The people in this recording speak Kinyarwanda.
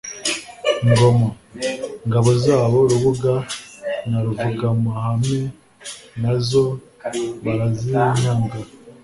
Ingoma – ngabe zabo Rubuga na Ruvugamahame nazo barazinyaga.